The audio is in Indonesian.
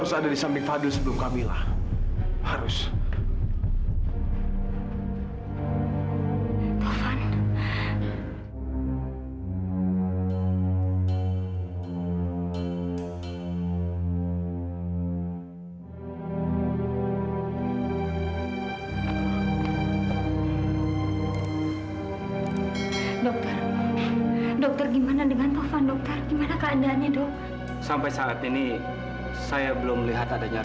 sampai jumpa di video selanjutnya